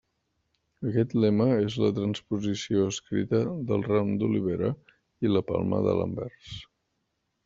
Aquest lema és la transposició escrita del ram d'olivera i la palma de l'anvers.